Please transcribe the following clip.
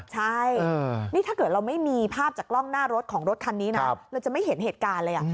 ใช่นี่ถ้าเกิดเราไม่มีภาพจากกล้องหน้ารถของรถคันนี้นะเราจะไม่เห็นเหตุการณ์เลย